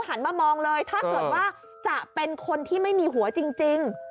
หันมามองเลยถ้าเกิดว่าจะเป็นคนที่ไม่มีหัวจริง